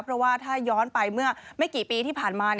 เพราะว่าถ้าย้อนไปเมื่อไม่กี่ปีที่ผ่านมา